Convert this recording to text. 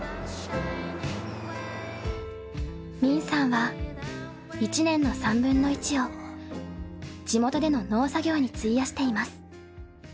泯さんは１年の３分の１を地元での農作業に費やしています。